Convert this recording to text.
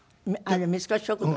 三越食堂？